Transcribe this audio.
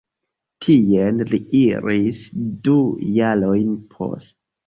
Tien li iris du jarojn poste.